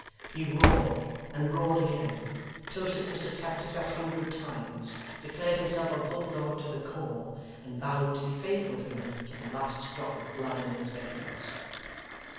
He roared and roared again; toasted Mr Tappertit a hundred times; declared himself a Bulldog to the core; and vowed to be faithful to him to the last drop of blood in his veins.